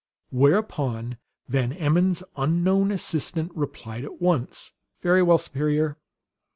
Whereupon Van Emmon's unknown assistant replied at once: "Very well, Superior."